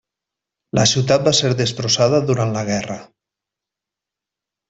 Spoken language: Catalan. La ciutat va ser destrossada durant la guerra.